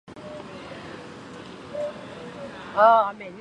她亦是一名宗教灵修导师。